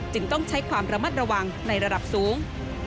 ต้องใช้ความระมัดระวังในระดับสูง